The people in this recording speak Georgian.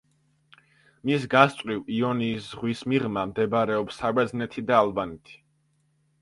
მის გასწვრივ, იონიის ზღის მიღმა, მდებარეობს საბერძნეთი და ალბანეთი.